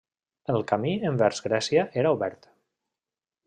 El camí envers Grècia era obert.